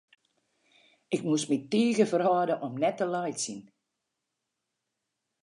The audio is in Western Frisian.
Ik moast my tige ferhâlde om net te laitsjen.